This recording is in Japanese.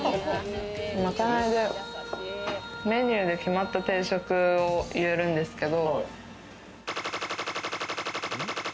まかないでメニューで決まった定食を言えるんですけど。